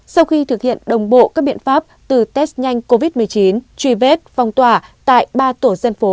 sau khi thực hiện đồng bộ các biện pháp từ test nhanh covid một mươi chín truy vết phong tỏa tại ba tổ dân phố